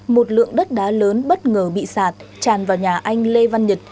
một lượng đất đá lớn bất ngờ bị sạt tràn vào nhà anh lê văn nhật